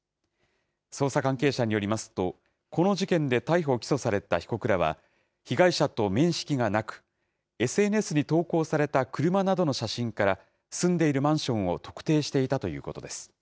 捜査関係者によりますと、この事件で逮捕・起訴された被告らは、被害者と面識がなく、ＳＮＳに投稿された車などの写真から、住んでいるマンションを特定していたということです。